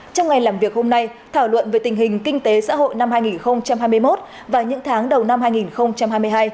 trong ngày làm việc hôm nay thảo luận về tình hình kinh tế xã hội năm hai nghìn hai mươi một và những tháng đầu năm hai nghìn hai mươi hai